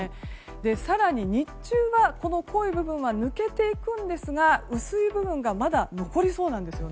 更に、日中は濃い部分は抜けていきますが薄い部分がまだ残りそうなんです。